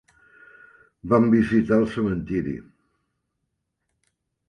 Vam visitar el cementiri.